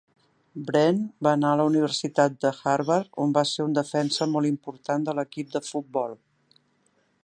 Wrenn va anar a la Universitat de Harvard on va ser un defensa molt important de l"equip de futbol.